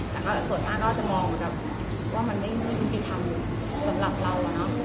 แต่ส่วนหน้าก็จะมองว่ามันไม่มีธรรมสำหรับเรา